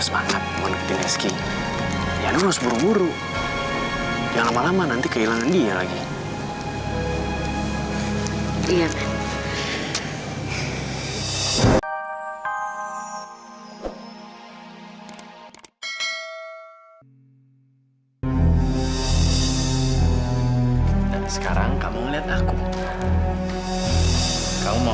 sampai jumpa di video selanjutnya